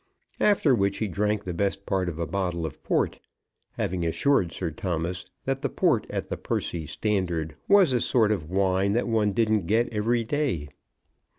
After which he drank the best part of a bottle of port, having assured Sir Thomas that the port at the Percy Standard was a sort of wine that one didn't get every day.